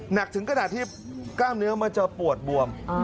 หนักถึงขนาดที่กล้ามเนื้อมันจะปวดบวม